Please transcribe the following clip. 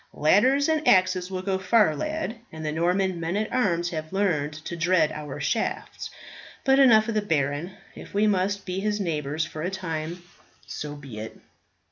"Ladders and axes will go far, lad, and the Norman men at arms have learned to dread our shafts. But enough of the baron; if we must be his neighbours for a time, so be it."